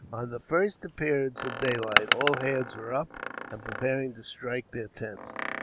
On the first appearance of day light, all hands were up and preparing to strike their tents.